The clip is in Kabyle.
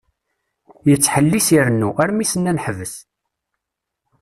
Yettḥellis irennu, armi s-nnan ḥbes.